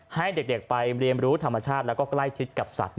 ให้เด็กไปเรียนรู้ธรรมชาติแล้วก็ใกล้ชิดกับสัตว์